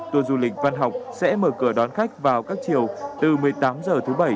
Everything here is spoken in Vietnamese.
tour du lịch văn học sẽ mở cửa đón khách vào các chiều từ một mươi tám h thứ bảy